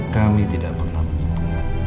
kami tidak pernah menipu